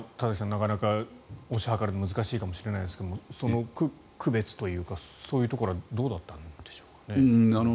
なかなか推し量るのは難しいかもしれませんがその区別というかそういうところはどうだったんでしょうか。